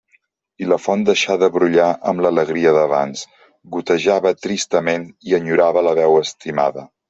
I la font deixà de brollar amb l'alegria d'abans; gotejava tristament i enyorava la veu estimada.